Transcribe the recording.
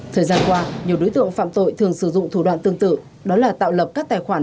thời gian qua nhiều đối tượng phạm tội thường sử dụng thủ đoạn tương tự đó là tạo lập các tài khoản